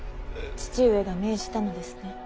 父上が命じたのですね。